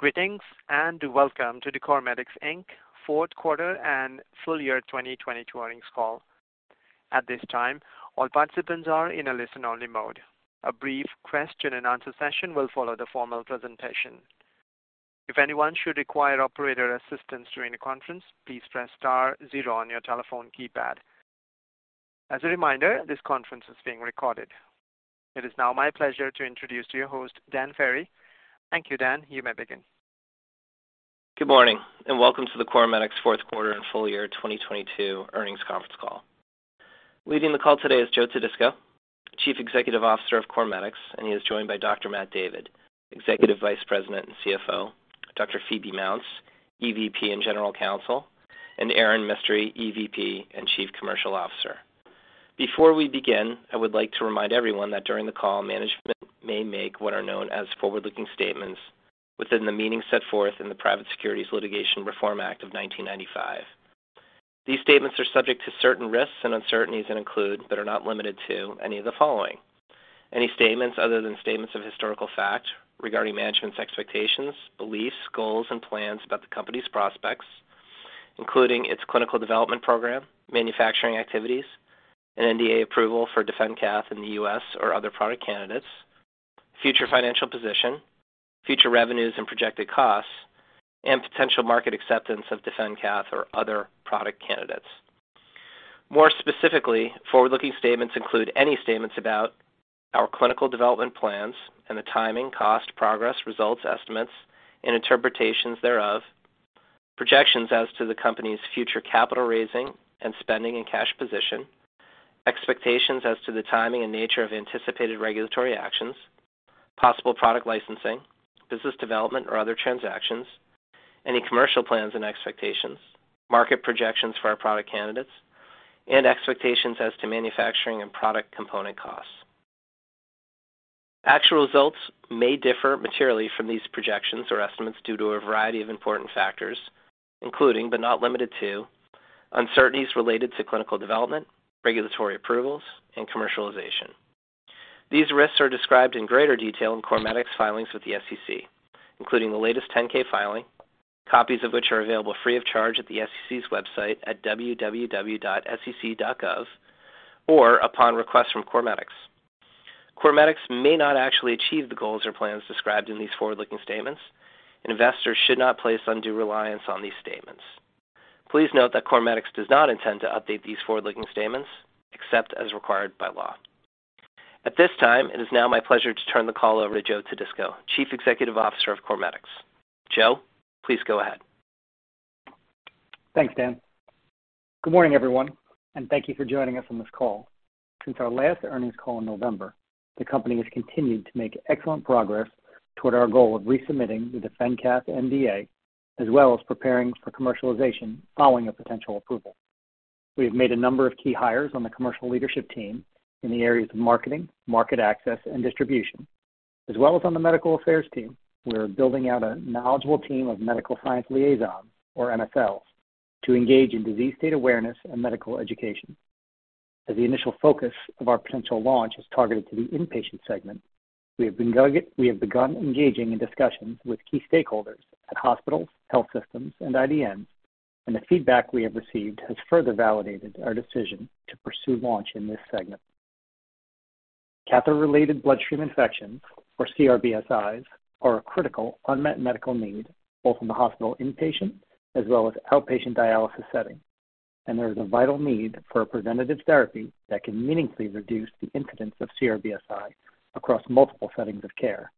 Greetings, and welcome to the CorMedix Inc. fourth quarter and full year 2022 earnings call. At this time, all participants are in a listen-only mode. A brief question and answer session will follow the formal presentation. If anyone should require operator assistance during the conference, please press star 0 on your telephone keypad. As a reminder, this conference is being recorded. It is now my pleasure to introduce to your host, Dan Ferry. Thank you, Dan. You may begin. Good morning, and welcome to the CorMedix fourth quarter and full year 2022 earnings conference call. Leading the call today is Joe Todisco, Chief Executive Officer of CorMedix, and he is joined by Dr. Matthew David, Executive Vice President and CFO, Dr. Phoebe Mounts, EVP and General Counsel, and Erin Mistry, EVP and Chief Commercial Officer. Before we begin, I would like to remind everyone that during the call, management may make what are known as forward-looking statements within the meaning set forth in the Private Securities Litigation Reform Act of 1995. These statements are subject to certain risks and uncertainties and include, but are not limited to, any of the following. Any statements other than statements of historical fact regarding management's expectations, beliefs, goals, and plans about the company's prospects, including its clinical development program, manufacturing activities, an NDA approval for DefenCath in the US or other product candidates, future financial position, future revenues and projected costs, and potential market acceptance of DefenCath or other product candidates. More specifically, forward-looking statements include any statements about our clinical development plans and the timing, cost, progress, results, estimates and interpretations thereof. Projections as to the company's future capital raising and spending and cash position. Expectations as to the timing and nature of anticipated regulatory actions. Possible product licensing, business development or other transactions. Any commercial plans and expectations. Market projections for our product candidates, and expectations as to manufacturing and product component costs. Actual results may differ materially from these projections or estimates due to a variety of important factors, including, but not limited to, uncertainties related to clinical development, regulatory approvals, and commercialization. These risks are described in greater detail in CorMedix filings with the SEC, including the latest 10-K filing, copies of which are available free of charge at the SEC's website at www.sec.gov or upon request from CorMedix. CorMedix may not actually achieve the goals or plans described in these forward-looking statements, and investors should not place undue reliance on these statements. Please note that CorMedix does not intend to update these forward-looking statements except as required by law. At this time, it is now my pleasure to turn the call over to Joe Todisco, Chief Executive Officer of CorMedix. Joe, please go ahead. Thanks, Dan. Good morning, everyone, and thank you for joining us on this call. Since our last earnings call in November, the company has continued to make excellent progress toward our goal of resubmitting the DefenCath NDA as well as preparing for commercialization following a potential approval. We have made a number of key hires on the commercial leadership team in the areas of marketing, market access, and distribution. As well as on the medical affairs team, we are building out a knowledgeable team of medical science liaisons, or MSLs, to engage in disease state awareness and medical education. As the initial focus of our potential launch is targeted to the inpatient segment, we have begun engaging in discussions with key stakeholders at hospitals, health systems, and IDNs, and the feedback we have received has further validated our decision to pursue launch in this segment. Catheter-Related Bloodstream Infections, or CRBSIs, are a critical unmet medical need, both in the hospital inpatient as well as outpatient dialysis setting, and there is a vital need for a preventative therapy that can meaningfully reduce the incidence of CRBSI across multiple settings of care.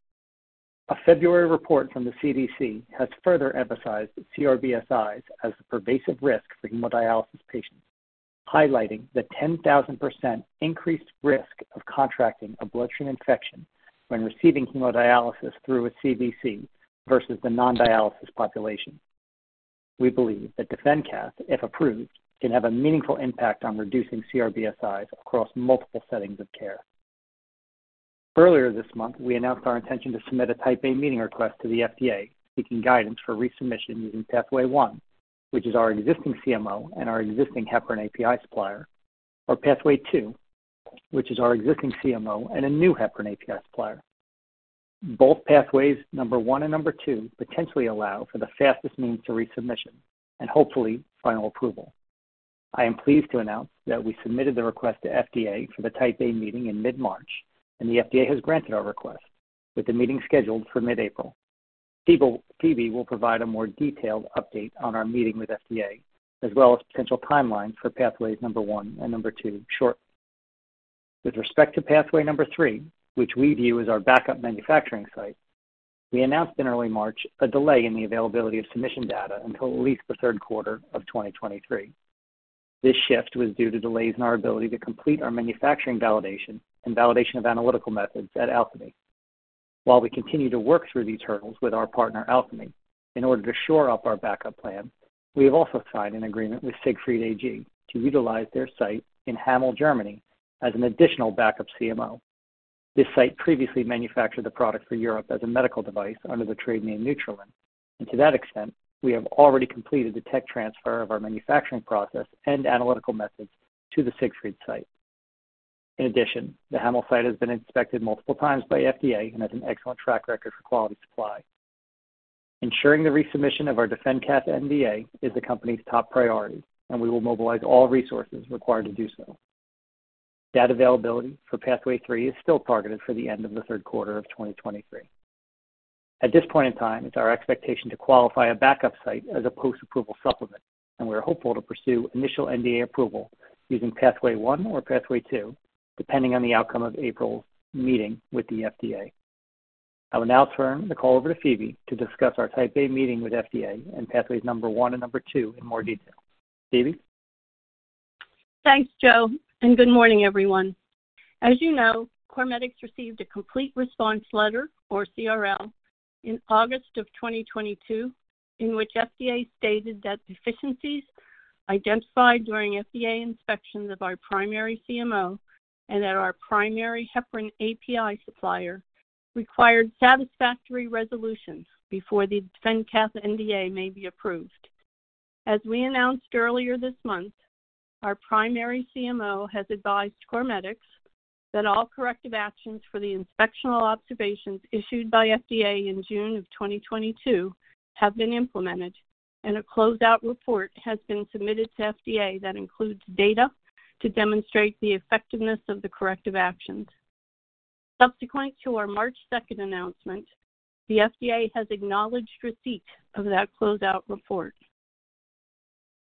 A February report from the CDC has further emphasized CRBSIs as a pervasive risk for hemodialysis patients, highlighting the 10,000% increased risk of contracting a bloodstream infection when receiving hemodialysis through a CDC versus the non-dialysis population. We believe that DefenCath, if approved, can have a meaningful impact on reducing CRBSIs across multiple settings of care. Earlier this month, we announced our intention to submit a Type A meeting request to the FDA seeking guidance for resubmission using pathway 1, which is our existing CMO and our existing heparin API supplier, or pathway 2, which is our existing CMO and a new heparin API supplier. Both pathways, number 1 and number 2, potentially allow for the fastest means to resubmission and hopefully final approval. I am pleased to announce that we submitted the request to FDA for the Type A meeting in mid-March, and the FDA has granted our request, with the meeting scheduled for mid-April. Phoebe will provide a more detailed update on our meeting with FDA as well as potential timelines for pathways number 1 and number 2 shortly. With respect to pathway number three, which we view as our backup manufacturing site, we announced in early March a delay in the availability of submission data until at least the third quarter of 2023. This shift was due to delays in our ability to complete our manufacturing validation and validation of analytical methods at Alkermes. While we continue to work through these hurdles with our partner Alkermes in order to shore up our backup plan, we have also signed an agreement with Siegfried AG to utilize their site in Hameln, Germany as an additional backup CMO. This site previously manufactured the product for Europe as a medical device under the trade name Neutrolin, and to that extent, we have already completed the tech transfer of our manufacturing process and analytical methods to the Siegfried site. In addition, the Hameln site has been inspected multiple times by FDA and has an excellent track record for quality supply. Ensuring the resubmission of our DefenCath NDA is the company's top priority, and we will mobilize all resources required to do so. Data availability for pathway 3 is still targeted for the end of the third quarter of 2023. At this point in time, it's our expectation to qualify a backup site as a post-approval supplement, and we are hopeful to pursue initial NDA approval using pathway 1 or pathway 2, depending on the outcome of April's meeting with the FDA. I will now turn the call over to Phoebe to discuss our Type A meeting with FDA and pathways number one and number two in more detail. Phoebe? Thanks, Joe. Good morning, everyone. As you know, CorMedix received a complete response letter or CRL in August 2022, in which FDA stated that deficiencies identified during FDA inspections of our primary CMO and at our primary heparin API supplier required satisfactory resolutions before the DefenCath NDA may be approved. As we announced earlier this month, our primary CMO has advised CorMedix that all corrective actions for the inspectional observations issued by FDA in June 2022 have been implemented and a closed-out report has been submitted to FDA that includes data to demonstrate the effectiveness of the corrective actions. Subsequent to our March 2 announcement, the FDA has acknowledged receipt of that closed-out report.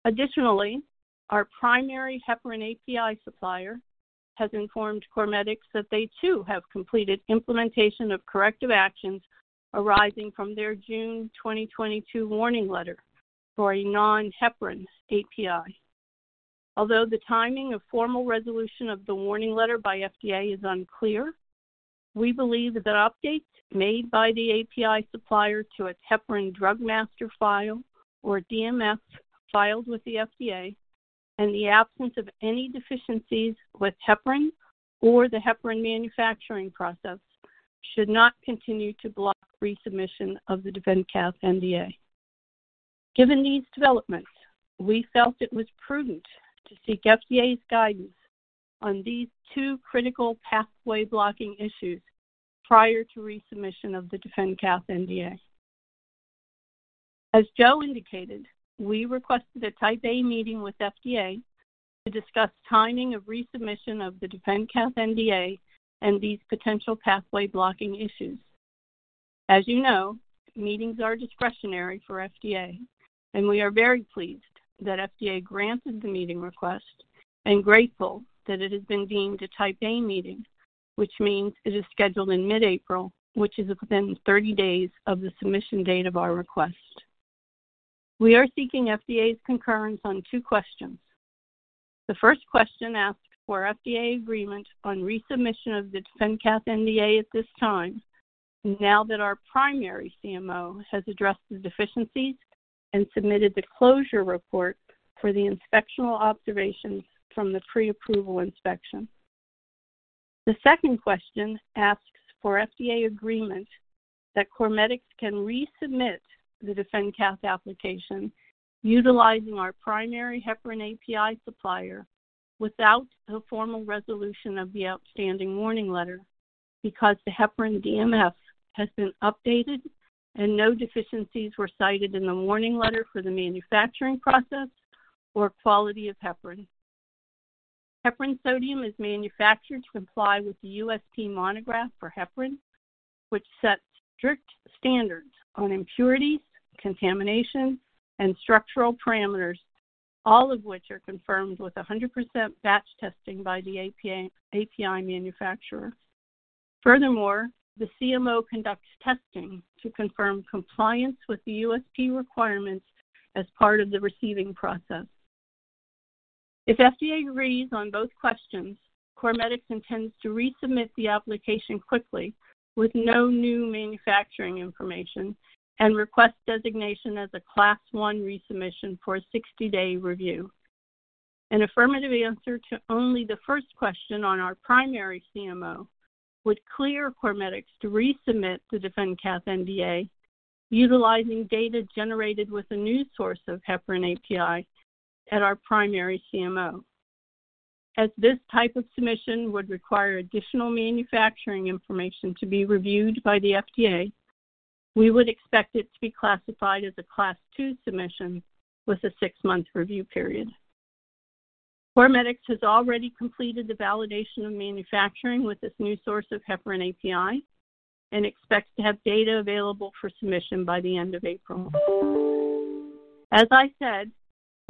Additionally, our primary heparin API supplier has informed CorMedix that they too have completed implementation of corrective actions arising from their June 2022 warning letter for a non-heparin API. Although the timing of formal resolution of the warning letter by FDA is unclear, we believe that updates made by the API supplier to its heparin drug master file or DMF filed with the FDA and the absence of any deficiencies with heparin or the heparin manufacturing process should not continue to block resubmission of the DefenCath NDA. Given these developments, we felt it was prudent to seek FDA's guidance on these two critical pathway-blocking issues prior to resubmission of the DefenCath NDA. As Joe indicated, we requested a Type A meeting with FDA to discuss timing of resubmission of the DefenCath NDA and these potential pathway-blocking issues. As you know, meetings are discretionary for FDA, and we are very pleased that FDA granted the meeting request and grateful that it has been deemed a Type A meeting, which means it is scheduled in mid-April, which is within 30 days of the submission date of our request. We are seeking FDA's concurrence on 2 questions. The first question asks for FDA agreement on resubmission of the DefenCath NDA at this time, now that our primary CMO has addressed the deficiencies and submitted the closure report for the inspectional observations from the pre-approval inspection. The second question asks for FDA agreement that CorMedix can resubmit the DefenCath application utilizing our primary heparin API supplier without a formal resolution of the outstanding warning letter because the heparin DMF has been updated and no deficiencies were cited in the warning letter for the manufacturing process or quality of heparin. Heparin sodium is manufactured to comply with the USP monograph for heparin, which sets strict standards on impurities, contamination, and structural parameters, all of which are confirmed with 100% batch testing by the API manufacturer. The CMO conducts testing to confirm compliance with the USP requirements as part of the receiving process. If FDA agrees on both questions, CorMedix intends to resubmit the application quickly with no new manufacturing information and request designation as a Class 1 resubmission for a 60-day review. An affirmative answer to only the first question on our primary CMO would clear CorMedix to resubmit the DefenCath NDA utilizing data generated with a new source of heparin API at our primary CMO. As this type of submission would require additional manufacturing information to be reviewed by the FDA, we would expect it to be classified as a Class 2 submission with a 6-month review period. CorMedix has already completed the validation of manufacturing with this new source of heparin API and expects to have data available for submission by the end of April. As I said,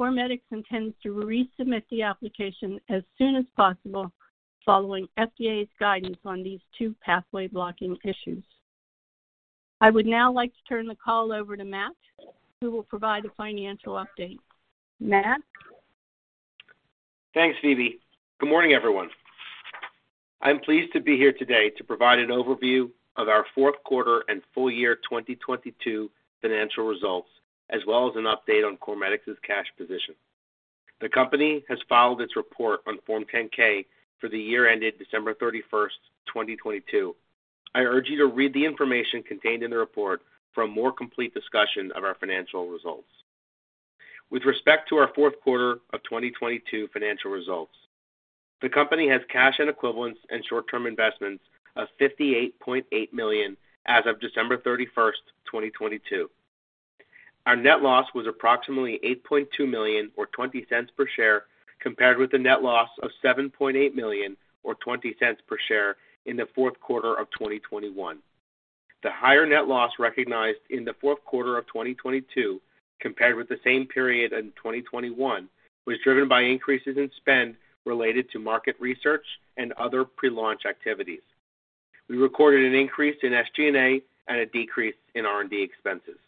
CorMedix intends to resubmit the application as soon as possible following FDA's guidance on these 2 pathway-blocking issues. I would now like to turn the call over to Matt, who will provide a financial update. Matt? Thanks, Phoebe. Good morning, everyone. I'm pleased to be here today to provide an overview of our fourth quarter and full year 2022 financial results, as well as an update on CorMedix's cash position. The company has filed its report on Form 10-K for the year ended December 31st, 2022. I urge you to read the information contained in the report for a more complete discussion of our financial results. With respect to our fourth quarter of 2022 financial results. The company has cash and equivalents and short-term investments of $58.8 million as of December 31, 2022. Our net loss was approximately $8.2 million, or $0.20 per share, compared with a net loss of $7.8 million, or $0.20 per share in the fourth quarter of 2021. The higher net loss recognized in the fourth quarter of 2022 compared with the same period in 2021 was driven by increases in spend related to market research and other pre-launch activities. We recorded an increase in SG&A and a decrease in R&D expenses.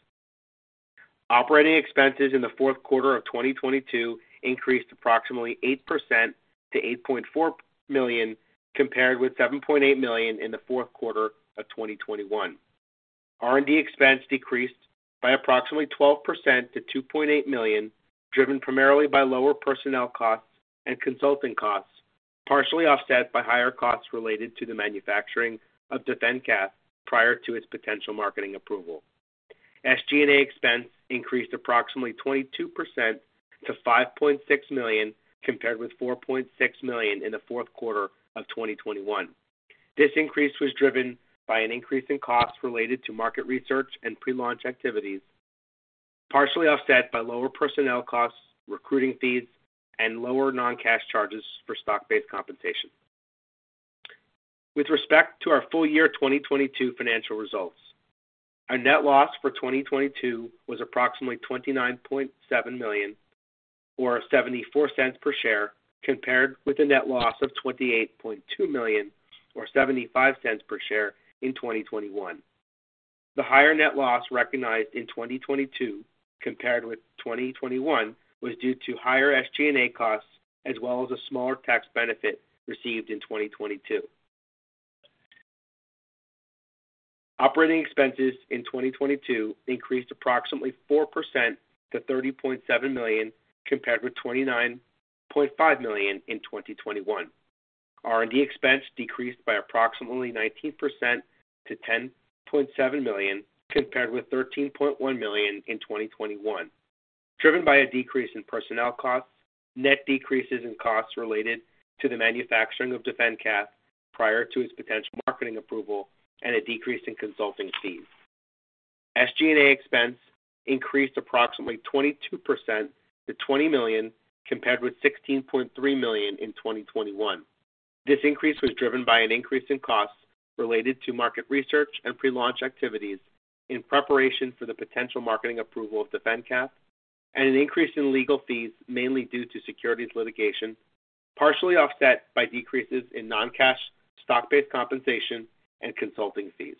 Operating expenses in the fourth quarter of 2022 increased approximately 8% to $8.4 million, compared with $7.8 million in the fourth quarter of 2021. R&D expense decreased by approximately 12% to $2.8 million, driven primarily by lower personnel costs and consulting costs, partially offset by higher costs related to the manufacturing of DefenCath prior to its potential marketing approval. SG&A expense increased approximately 22% to $5.6 million, compared with $4.6 million in the fourth quarter of 2021. This increase was driven by an increase in costs related to market research and pre-launch activities, partially offset by lower personnel costs, recruiting fees, and lower non-cash charges for stock-based compensation. With respect to our full year 2022 financial results, our net loss for 2022 was approximately $29.7 million, or $0.74 per share, compared with a net loss of $28.2 million, or $0.75 per share in 2021. The higher net loss recognized in 2022 compared with 2021 was due to higher SG&A costs as well as a smaller tax benefit received in 2022. Operating expenses in 2022 increased approximately 4% to $30.7 million, compared with $29.5 million in 2021. R&D expense decreased by approximately 19% to $10.7 million, compared with $13.1 million in 2021, driven by a decrease in personnel costs, net decreases in costs related to the manufacturing of DefenCath prior to its potential marketing approval, and a decrease in consulting fees. SG&A expense increased approximately 22% to $20 million, compared with $16.3 million in 2021. This increase was driven by an increase in costs related to market research and pre-launch activities in preparation for the potential marketing approval of DefenCath and an increase in legal fees mainly due to securities litigation, partially offset by decreases in non-cash stock-based compensation and consulting fees.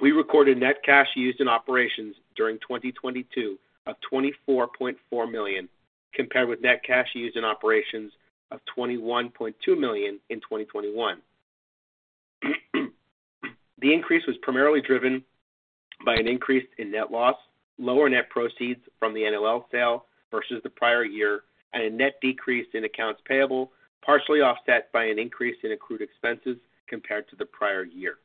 We recorded net cash used in operations during 2022 of $24.4 million, compared with net cash used in operations of $21.2 million in 2021. The increase was primarily driven by an increase in net loss, lower net proceeds from the NOL sale versus the prior year, and a net decrease in accounts payable, partially offset by an increase in accrued expenses compared to the prior year.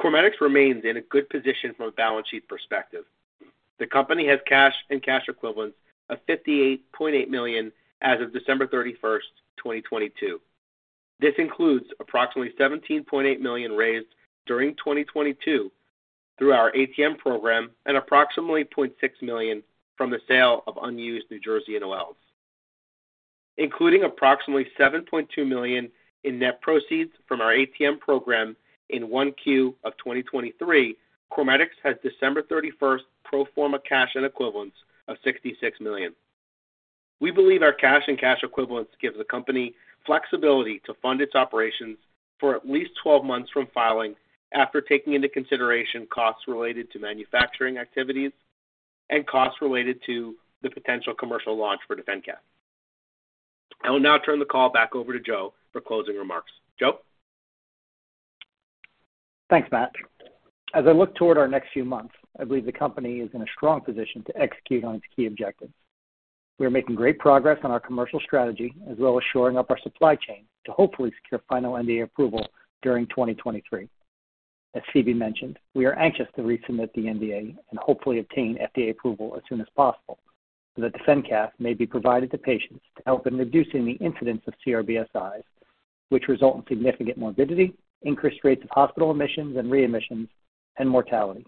CorMedix remains in a good position from a balance sheet perspective. The company has cash and cash equivalents of $58.8 million as of December 31, 2022. This includes approximately $17.8 million raised during 2022 through our ATM program and approximately $0.6 million from the sale of unused New Jersey NOLs. Including approximately $7.2 million in net proceeds from our ATM program in 1Q of 2023, CorMedix has December 31st pro forma cash and equivalents of $66 million. We believe our cash and cash equivalents gives the company flexibility to fund its operations for at least 12 months from filing, after taking into consideration costs related to manufacturing activities and costs related to the potential commercial launch for DefenCath. I will now turn the call back over to Joe for closing remarks. Joe? Thanks, Matt. As I look toward our next few months, I believe the company is in a strong position to execute on its key objectives. We are making great progress on our commercial strategy as well as shoring up our supply chain to hopefully secure final NDA approval during 2023. As Phoebe mentioned, we are anxious to resubmit the NDA and hopefully obtain FDA approval as soon as possible so that DefenCath may be provided to patients to help in reducing the incidence of CRBSIs which result in significant morbidity, increased rates of hospital admissions and readmissions, and mortality.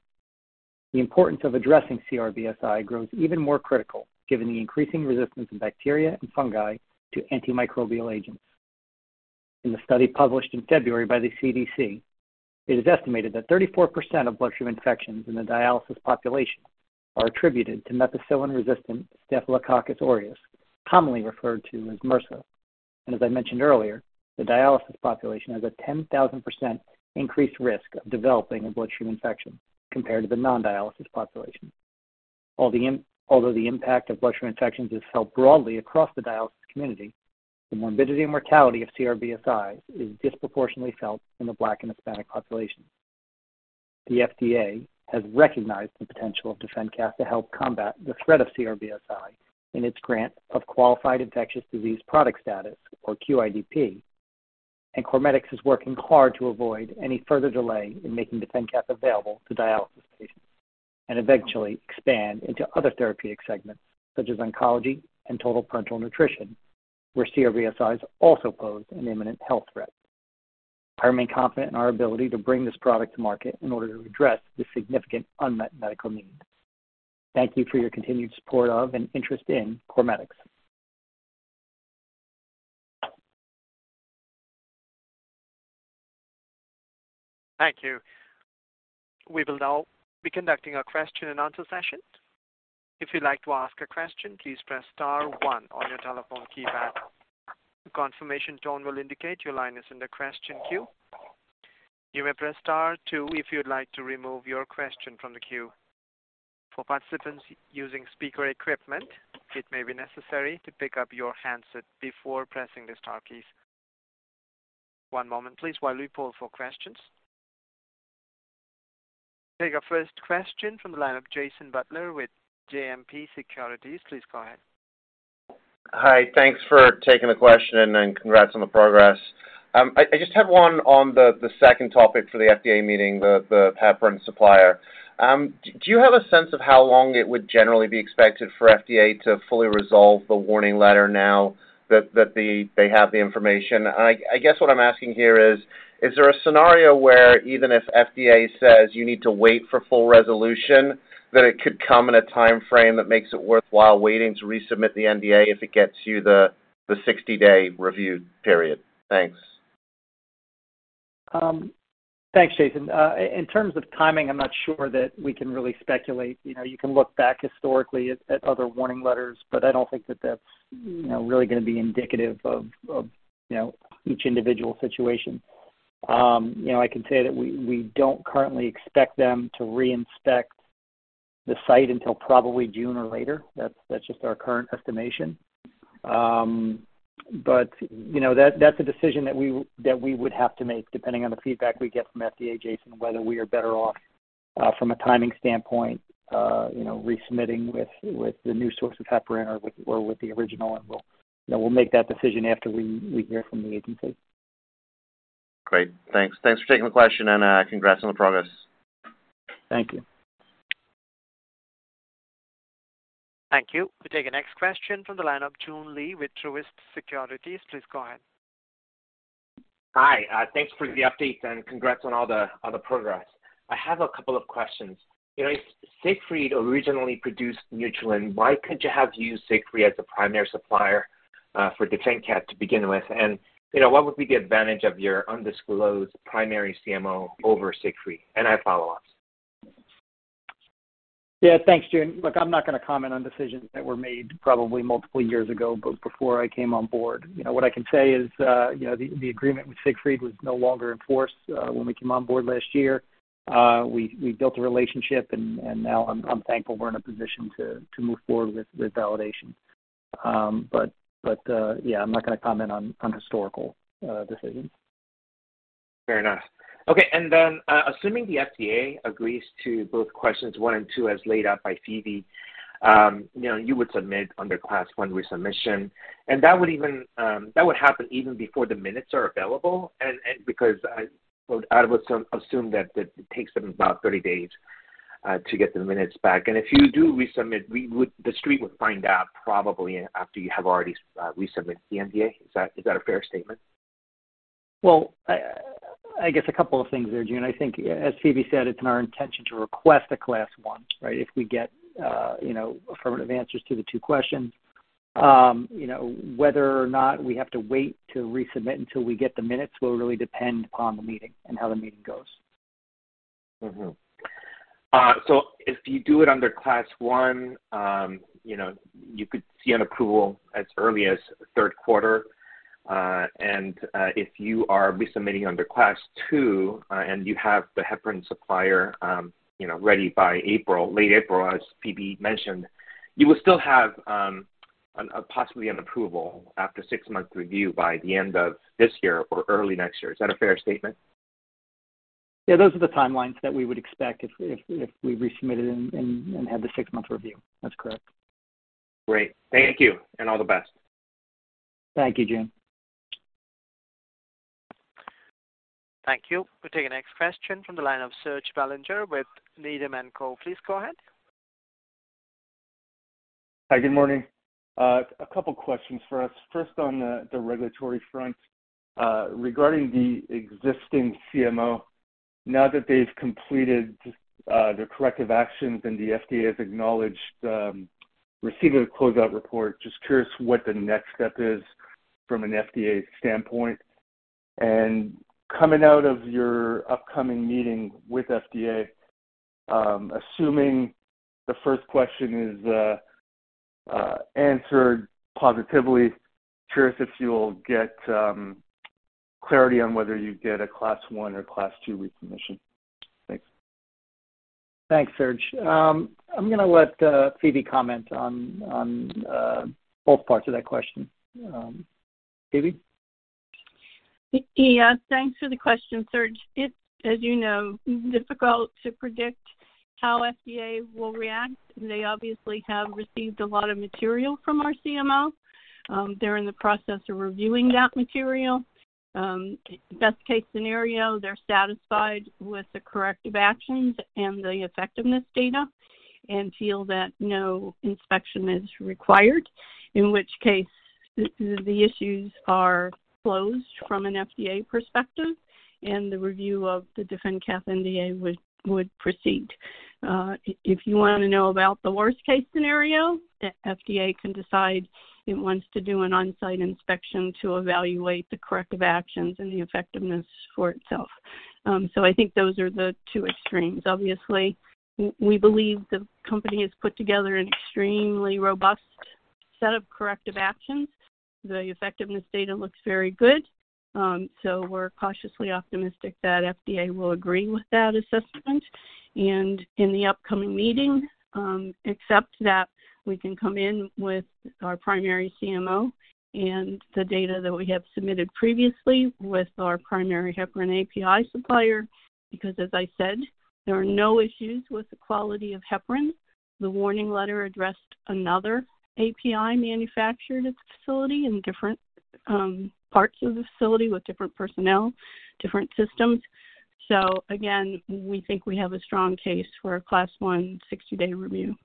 The importance of addressing CRBSI grows even more critical given the increasing resistance of bacteria and fungi to antimicrobial agents. In a study published in February by the CDC, it is estimated that 34% of bloodstream infections in the dialysis population are attributed to methicillin-resistant Staphylococcus aureus, commonly referred to as MRSA. As I mentioned earlier, the dialysis population has a 10,000% increased risk of developing a bloodstream infection compared to the non-dialysis population. Although the impact of bloodstream infections is felt broadly across the dialysis community, the morbidity and mortality of CRBSIs is disproportionately felt in the Black and Hispanic populations. The FDA has recognized the potential of DefenCath to help combat the threat of CRBSI in its grant of qualified infectious disease product status, or QIDP. CorMedix is working hard to avoid any further delay in making DefenCath available to dialysis patients and eventually expand into other therapeutic segments such as oncology and Total parenteral nutrition, where CRBSIs also pose an imminent health threat. I remain confident in our ability to bring this product to market in order to address the significant unmet medical needs. Thank you for your continued support of and interest in CorMedix. Thank you. We will now be conducting a question and answer session. If you'd like to ask a question, please press star one on your telephone keypad. A confirmation tone will indicate your line is in the question queue. You may press star two if you'd like to remove your question from the queue. For participants using speaker equipment, it may be necessary to pick up your handset before pressing the star keys. One moment please while we poll for questions. We'll take our first question from the line of Jason Butler with JMP Securities. Please go ahead. Hi. Thanks for taking the question and congrats on the progress. I just have one on the second topic for the FDA meeting, the heparin supplier. Do you have a sense of how long it would generally be expected for FDA to fully resolve the warning letter now that they have the information? I guess what I'm asking here is there a scenario where even if FDA says you need to wait for full resolution, that it could come in a timeframe that makes it worthwhile waiting to resubmit the NDA if it gets you the 60-day review period? Thanks. Thanks, Jason. In terms of timing, I'm not sure that we can really speculate. You know, you can look back historically at other warning letters, but I don't think that that's, you know, really gonna be indicative of each individual situation. You know, I can say that we don't currently expect them to reinspect the site until probably June or later. That's just our current estimation. You know, that's a decision that we would have to make depending on the feedback we get from FDA, Jason, whether we are better off from a timing standpoint, you know, resubmitting with the new source of heparin or with the original, and we'll, you know, we'll make that decision after we hear from the agency. Great. Thanks. Thanks for taking the question, and, congrats on the progress. Thank you. Thank you. We'll take our next question from the line of Joon Lee with Truist Securities. Please go ahead. Hi. Thanks for the update and congrats on all the, all the progress. I have a couple of questions. You know, if Siegfried originally produced Neutrolin, why couldn't you have used Siegfried as the primary supplier for DefenCath to begin with? You know, what would be the advantage of your undisclosed primary CMO over Siegfried? I have follow-ups. Yeah. Thanks, Joon. Look, I'm not gonna comment on decisions that were made probably multiple years ago before I came on board. You know, what I can say is, you know, the agreement with Siegfried was no longer in force when we came on board last year. We built a relationship and now I'm thankful we're in a position to move forward with validation. But yeah, I'm not gonna comment on historical decisions. Fair enough. Okay. Assuming the FDA agrees to both questions one and two as laid out by Phoebe, you know, you would submit under Class 1 resubmission. That would happen even before the minutes are available? I would assume that it takes them about 30 days to get the minutes back. If you do resubmit, the Street would find out probably after you have already resubmitted the NDA. Is that a fair statement? Well, I guess a couple of things there, Joon. I think as Phoebe said, it's in our intention to request a Class 1, right, if we get, you know, affirmative answers to the two questions. You know, whether or not we have to wait to resubmit until we get the minutes will really depend upon the meeting and how the meeting goes. Mm-hmm. If you do it under Class 1, you know, you could see an approval as early as third quarter. If you are resubmitting under Class 2, you have the heparin supplier, you know, ready by April, late April, as Phoebe mentioned, you will still have a possibly an approval after 6 months review by the end of this year or early next year. Is that a fair statement? Yeah, those are the timelines that we would expect if we resubmitted and have the six-month review. That's correct. Great. Thank you, and all the best. Thank you, Joon Lee. Thank you. We'll take the next question from the line of Serge Belanger with Needham & Co. Please go ahead. Hi, good morning. a couple questions for us. First on the regulatory front, regarding the existing CMO. Now that they've completed, their corrective actions and the FDA has acknowledged, receiving a closeout report, just curious what the next step is from an FDA standpoint. Coming out of your upcoming meeting with FDA, assuming the first question is, answered positively, curious if you'll get, clarity on whether you get a Class 1 or Class 2 resubmission. Thanks. Thanks, Serge. I'm gonna let Phoebe comment on both parts of that question. Phoebe? Thanks for the question, Serge. It's, as you know, difficult to predict how FDA will react. They obviously have received a lot of material from our CMO. They're in the process of reviewing that material. Best case scenario, they're satisfied with the corrective actions and the effectiveness data and feel that no inspection is required, in which case the issues are closed from an FDA perspective, and the review of the DefenCath NDA would proceed. If you wanna know about the worst case scenario, the FDA can decide it wants to do an on-site inspection to evaluate the corrective actions and the effectiveness for itself. I think those are the two extremes. Obviously, we believe the company has put together an extremely robust set of corrective actions. The effectiveness data looks very good, so we're cautiously optimistic that FDA will agree with that assessment. In the upcoming meeting, except that we can come in with our primary CMO and the data that we have submitted previously with our primary heparin API supplier, because as I said, there are no issues with the quality of heparin. The warning letter addressed another API manufactured at the facility in different parts of the facility with different personnel, different systems. Again, we think we have a strong case for a Class 1 60-day review.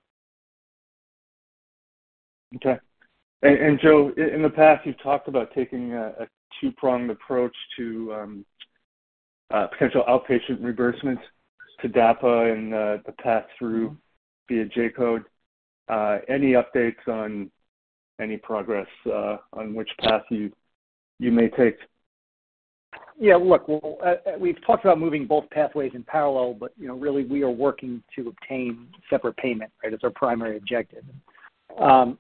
Okay. Joe, in the past, you've talked about taking a two-pronged approach to potential outpatient reimbursements to TDAPA and the path through via J-code. Any updates on any progress on which path you may take? Yeah. Look, we'll, we've talked about moving both pathways in parallel, but, you know, really we are working to obtain separate payment, right, as our primary objective.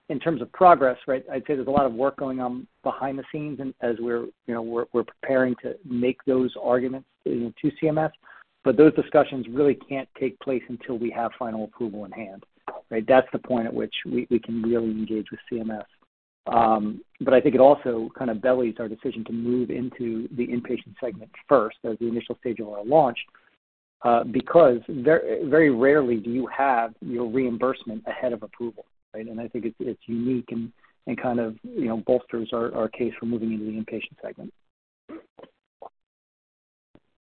In terms of progress, right, I'd say there's a lot of work going on behind the scenes and as we're, you know, we're preparing to make those arguments, you know, to CMS, but those discussions really can't take place until we have final approval in hand, right? That's the point at which we can really engage with CMS. I think it also kind of belies our decision to move into the inpatient segment first as the initial stage of our launch, because very, very rarely do you have your reimbursement ahead of approval, right? I think it's unique and kind of, you know, bolsters our case for moving into the inpatient segment.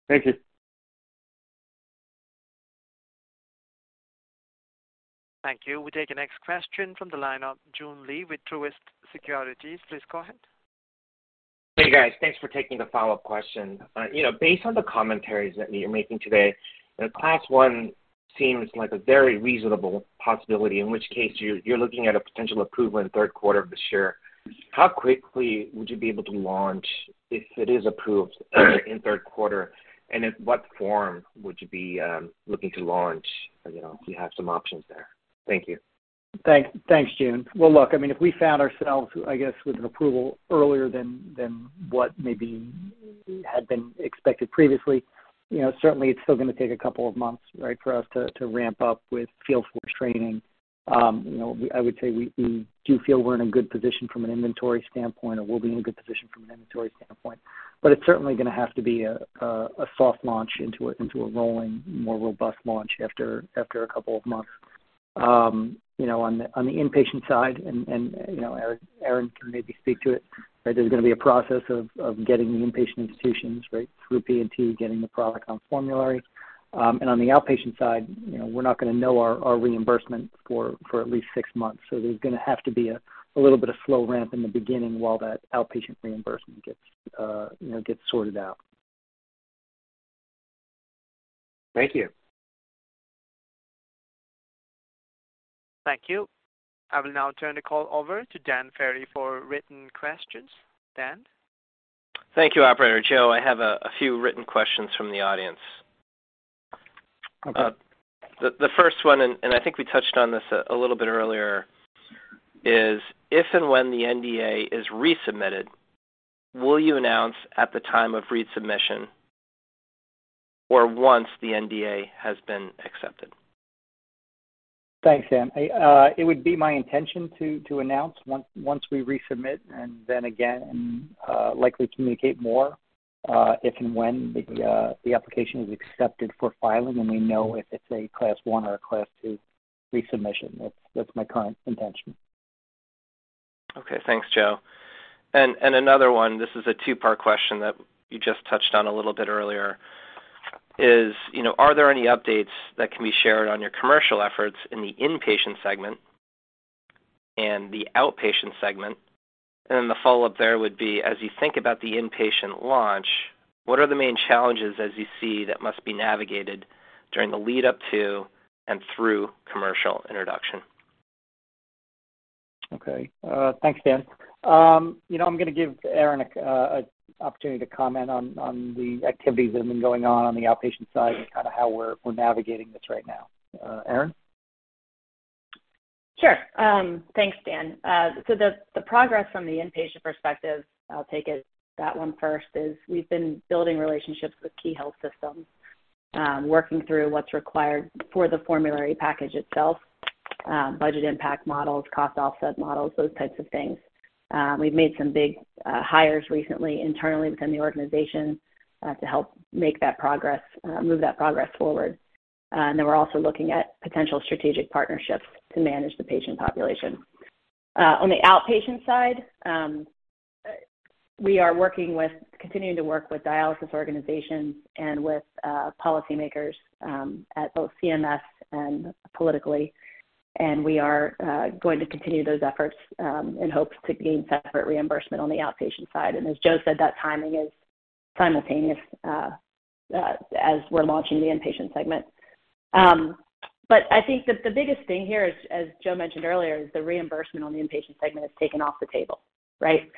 Thank you. Thank you. We take the next question from the line of Joon Lee with Truist Securities. Please go ahead. Hey, guys. Thanks for taking the follow-up question. You know, based on the commentaries that you're making today, the Class 1 seems like a very reasonable possibility, in which case you're looking at a potential approval in third quarter of this year. How quickly would you be able to launch if it is approved in third quarter, and in what form would you be looking to launch? You know, you have some options there. Thank you. Thanks. Thanks, Joon. Well, look, I mean, if we found ourselves, I guess, with an approval earlier than what maybe had been expected previously, you know, certainly it's still gonna take a couple of months, right, for us to ramp up with field force training. You know, I would say we do feel we're in a good position from an inventory standpoint, or we'll be in a good position from an inventory standpoint. It's certainly gonna have to be a soft launch into a rolling, more robust launch after a couple of months. You know, on the inpatient side, and, you know, Erin can maybe speak to it, right? There's gonna be a process of getting the inpatient institutions, right, through P&T, getting the product on formulary. On the outpatient side, you know, we're not gonna know our reimbursement for at least 6 months. There's gonna have to be a little bit of slow ramp in the beginning while that outpatient reimbursement gets, you know, gets sorted out. Thank you. Thank you. I will now turn the call over to Dan Ferry for written questions. Dan? Thank you, operator. Joe, I have a few written questions from the audience. Okay. The first one, and I think we touched on this a little bit earlier, is if and when the NDA is resubmitted, will you announce at the time of resubmission or once the NDA has been accepted? Thanks, Dan. I, it would be my intention to announce once we resubmit and then again, and likely communicate more, if and when the application is accepted for filing, and we know if it's a Class 1 or a Class 2 resubmission. That's my current intention. Okay. Thanks, Joe. And another one, this is a two-part question that you just touched on a little bit earlier, is, you know, are there any updates that can be shared on your commercial efforts in the inpatient segment and the outpatient segment? Then the follow-up there would be: As you think about the inpatient launch, what are the main challenges as you see that must be navigated during the lead-up to and through commercial introduction? Okay. Thanks, Dan. You know, I'm gonna give Erin a opportunity to comment on the activities that have been going on on the outpatient side and kinda how we're navigating this right now. Erin? Sure. Thanks, Dan. The progress from the inpatient perspective, I'll take it that one first, is we've been building relationships with key health systems, working through what's required for the formulary package itself. Budget impact models, cost offset models, those types of things. We've made some big hires recently internally within the organization to help make that progress move that progress forward. We're also looking at potential strategic partnerships to manage the patient population. On the outpatient side, we are continuing to work with dialysis organizations and with policymakers at both CMS and politically, we are going to continue those efforts in hopes to gain separate reimbursement on the outpatient side. As Joe said, that timing is simultaneous as we're launching the inpatient segment. I think that the biggest thing here is, as Joe mentioned earlier, the reimbursement on the inpatient segment is taken off the table, right?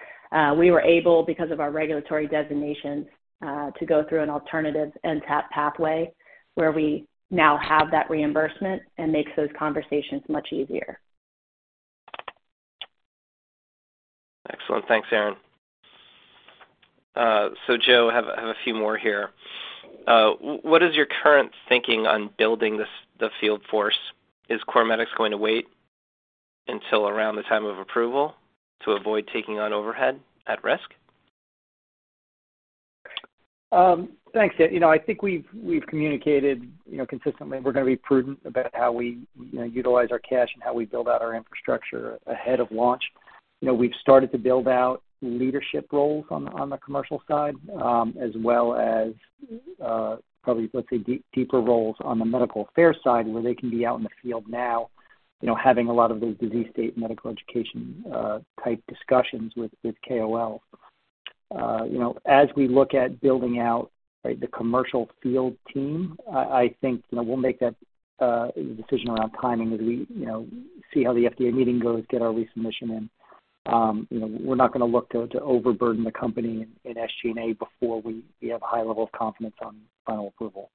We were able, because of our regulatory designation, to go through an alternative TDAPA pathway where we now have that reimbursement and makes those conversations much easier. Excellent. Thanks, Erin. Joe, have a few more here. What is your current thinking on building this, the field force? Is CorMedix going to wait until around the time of approval to avoid taking on overhead at risk? Thanks. You know, I think we've communicated, you know, consistently we're gonna be prudent about how we, you know, utilize our cash and how we build out our infrastructure ahead of launch. You know, we've started to build out leadership roles on the commercial side, as well as, probably, let's say, deeper roles on the medical affairs side where they can be out in the field now, you know, having a lot of those disease state medical education type discussions with KOL. You know, as we look at building out, right, the commercial field team, I think, you know, we'll make that decision around timing as we, you know, see how the FDA meeting goes, get our resubmission in. you know, we're not gonna look to overburden the company in SG&A before we have a high level of confidence on final approval.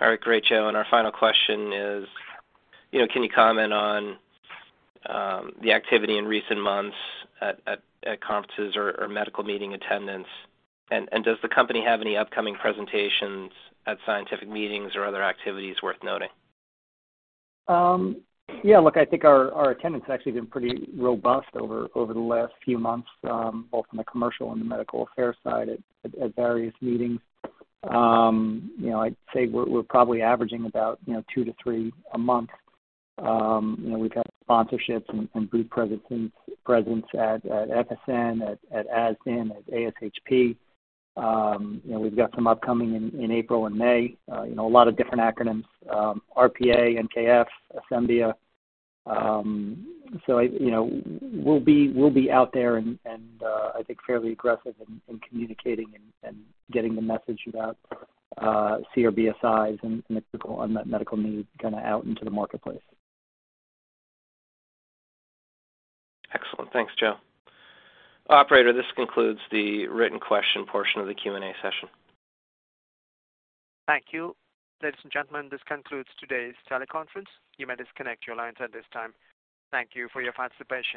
All right. Great, Joe. Our final question is, you know, can you comment on the activity in recent months at conferences or medical meeting attendance? Does the company have any upcoming presentations at scientific meetings or other activities worth noting? Yeah, look, I think our attendance has actually been pretty robust over the last few months, both on the commercial and the medical affairs side at various meetings. You know, I'd say we're probably averaging about, you know, 2 to 3 a month. You know, we've had sponsorships and booth presence at ASN, at ASHP. You know, we've got some upcoming in April and May. You know, a lot of different acronyms, RPA, NKF, Assembly. You know, we'll be out there and I think fairly aggressive in communicating and getting the message about CRBSIs and unmet medical need kinda out into the marketplace. Excellent. Thanks, Joe. Operator, this concludes the written question portion of the Q&A session. Thank you. Ladies and gentlemen, this concludes today's teleconference. You may disconnect your lines at this time. Thank you for your participation.